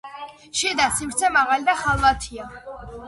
შიდა სივრცე მაღალი და ხალვათია.